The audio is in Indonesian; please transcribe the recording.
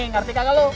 ngerti kakak lu